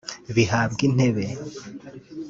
bihabwa intebe